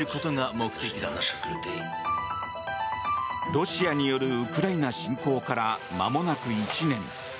ロシアによるウクライナ侵攻からまもなく１年。